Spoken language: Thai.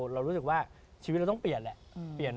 เรารู้สึกว่าชีวิตเราต้องเปลี่ยนแหละ